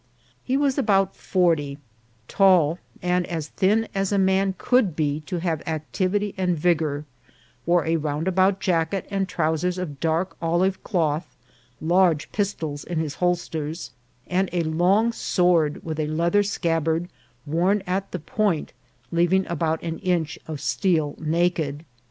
He was about forty, tall, and as thin as a man could be to have activity and vigour, wore a round about jacket and trousers of dark olive cloth, large pis tols in his holsters, and a long sword with a leather scabbard, worn at the point, leaving about an inch of steel naked.